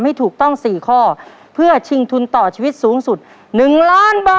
ให้ถูกต้องสี่ข้อเพื่อชิงทุนต่อชีวิตสูงสุด๑ล้านบาท